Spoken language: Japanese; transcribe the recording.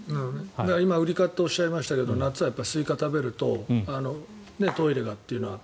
今、ウリ科っておっしゃいましたけど夏はスイカを食べるとトイレがっていう。